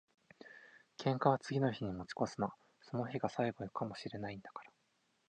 喧嘩は次の日に持ち越すな。その日が最後かも知れないんだから。